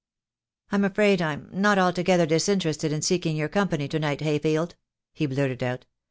"I'm afraid I'm not altogether disinterested in seek ing your company to night, Hayfield," he blurted out.